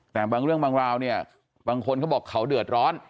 แต่บางเรื่องบางราวเนี่ยบางคนเขาบอกเขาเดือดร้อน